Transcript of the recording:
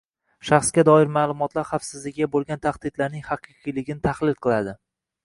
shaxsga doir ma’lumotlar xavfsizligiga bo‘lgan tahdidlarning haqiqiyligini tahlil qiladi;